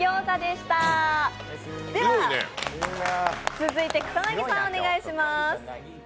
続いて草薙さんお願いします。